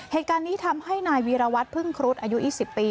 เหตุการณ์นี้ทำให้นายวีรวัตรพึ่งครุฑอายุ๒๐ปี